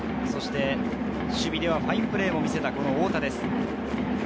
そして守備ではファインプレーも見せた太田です。